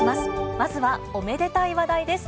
まずはおめでたい話題です。